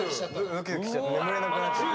ドキドキしちゃって眠れなくなっちゃって。